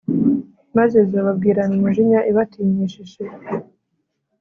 Maze izababwirana umujinya ibatinyishishe